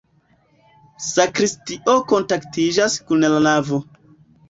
Sakristio kontaktiĝas kun la navo.